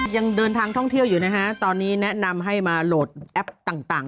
ยังเดินทางท่องเที่ยวอยู่นะฮะตอนนี้แนะนำให้มาโหลดแอปต่าง